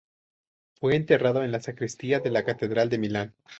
Fue enterrado en la sacristía de la catedral de Milán.